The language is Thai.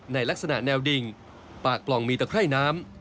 ในลักษณะแนวดิ่งปากกล่องมีตะไคร่น้ำ